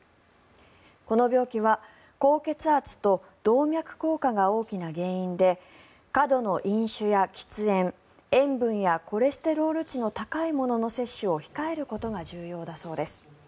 この病気は高血圧と動脈硬化が大きな原因で過度の飲酒や喫煙塩分やコレステロール値の高いものの摂取を控えることが重要だそうです。